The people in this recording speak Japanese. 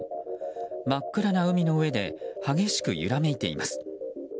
真っ暗な海の上で激しく揺らめいています。